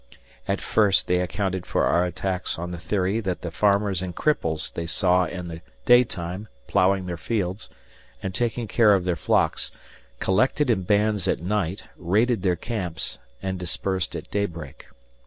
At first they accounted for our attacks on the theory that the farmers and cripples they saw in the daytime ploughing their fields and taking care of their flocks collected in bands at night, raided their camps, and dispersed at daybreak.